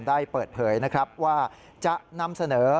ได้เปิดเผยนะครับว่าจะนำเสนอ